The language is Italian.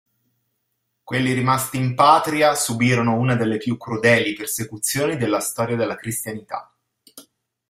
Quelli rimasti in patria subirono una delle più crudeli persecuzioni della storia della cristianità.